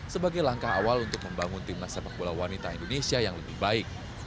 sebagai langkah awal untuk membangun timnas sepak bola wanita indonesia yang lebih baik